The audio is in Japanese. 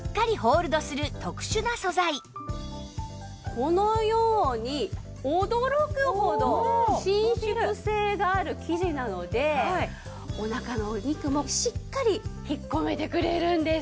このように驚くほど伸縮性がある生地なのでお腹のお肉もしっかり引っ込めてくれるんです。